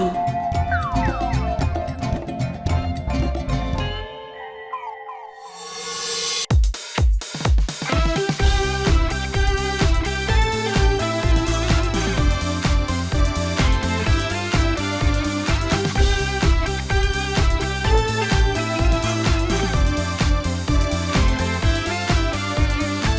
๓อยู่ในพ่าย